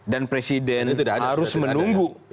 dan presiden harus menunggu